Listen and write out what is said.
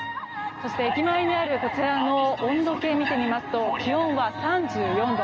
そして駅前にあるこちらの温度計を見てみますと気温は３４度。